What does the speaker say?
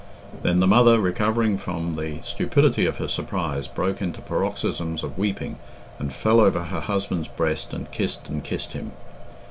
Then the mother, recovering from the stupidity of her surprise, broke into paroxysms of weeping, and fell over her husband's breast and kissed and kissed him.